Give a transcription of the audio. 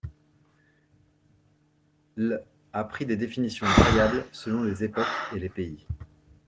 L' a pris des définitions variables selon les époques et les pays.